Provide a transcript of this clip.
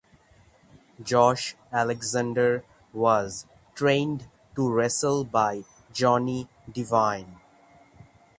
Josh Alexander was trained to wrestle by Johnny Devine.